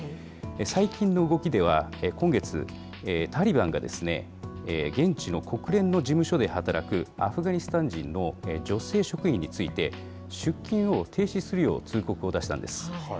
最近の動きでは、今月、タリバンが現地の国連の事務所で働くアフガニスタン人の女性職員について、出勤を停止するよう通告を出したんです。